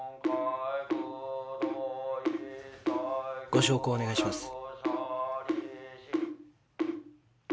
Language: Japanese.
ご焼香をお願いします。